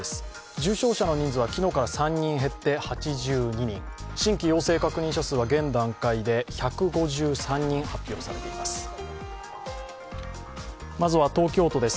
重症者の人数は昨日から３人減って８２人、新規陽性確認者数は現段階で１５３人、発表されています。